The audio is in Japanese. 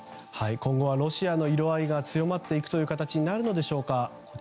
今後はロシアの色合いが強まっていくという形になるのでしょうか。